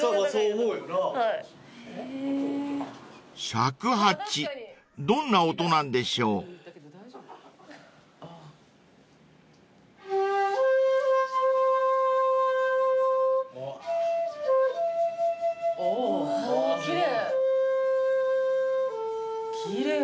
［尺八どんな音なんでしょう］奇麗。